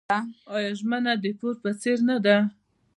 آیا ژمنه د پور په څیر نه ده؟